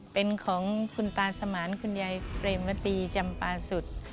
เป็นของคุณตาสมานคุณยายเปรมวตีจำปาสุด